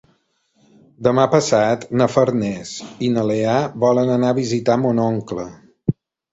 Demà passat na Farners i na Lea volen anar a visitar mon oncle.